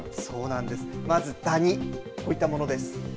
まず、だにこういったものです。